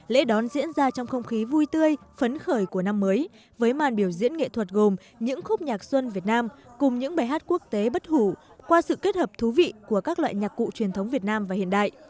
lễ đón diễn ra trong không khí vui tươi phấn khởi của năm mới với màn biểu diễn nghệ thuật gồm những khúc nhạc xuân việt nam cùng những bài hát quốc tế bất hủ qua sự kết hợp thú vị của các loại nhạc cụ truyền thống việt nam và hiện đại